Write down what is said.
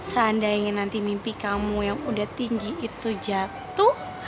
seandainya nanti mimpi kamu yang udah tinggi itu jatuh